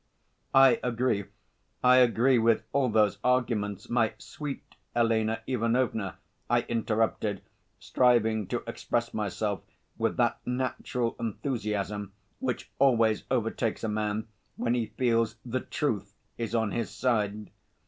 "I agree, I agree with all those arguments, my sweet Elena Ivanovna," I interrupted, striving to express myself with that natural enthusiasm which always overtakes a man when he feels the truth is on his side.